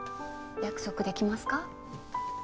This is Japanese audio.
約束できますか？